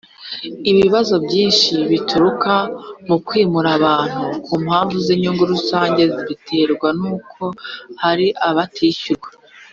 Ibibazo byinshi bituruka mu kwimura abantu ku mpamvu z’inyungu rusange biterwa n’uko hari abatishyurwa